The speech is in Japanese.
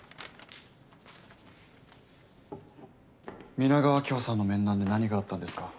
皆川晶穂さんの面談で何があったんですか？